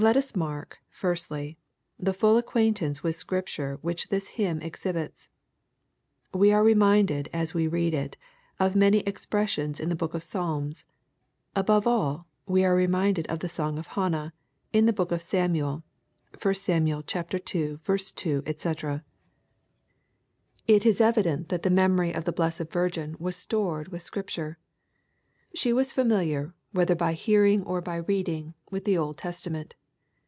Let us mark, firstly, the full acquaintance toith Scrips ture which this hymn exhibits. We are reminded as we read it, of many expressions in the book of Psalms. Above all, we are reminded of the song of Hannah, in the book of Samuel. (1 Sam* ii. 2, &c.) It is evident that the memory LUKE, CHAP. I. 85 of the Blessed Virgin was stored with Scripture. She was familiar, whether hy hearing or by reading, with the Old Testament.